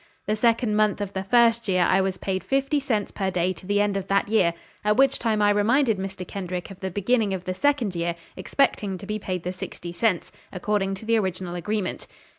The second month of the first year I was paid fifty cents per day to the end of that year, at which time I reminded Mr. Kendrick of the beginning of the second year, expecting to be paid the sixty cents, according to the original agreement.